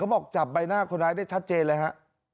บอกจับใบหน้าคนร้ายได้ชัดเจนเลยฮะ